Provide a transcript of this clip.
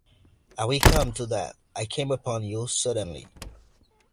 I will come to that — I came upon you suddenly.